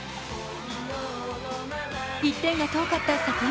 １点が遠かった作陽。